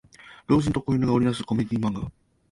老人と子犬が織りなすコメディ漫画